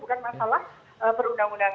bukan masalah berundang undangan